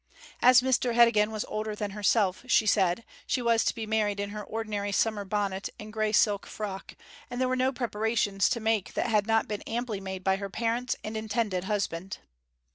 As Mr Heddegan was older than herself, she said, she was to be married in her ordinary summer bonnet and grey silk frock, and there were no preparations to make that had not been amply made by her parents and intended husband.